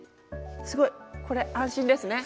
すごいこれ安心ですね。